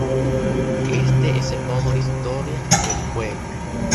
Este es el modo historia del juego.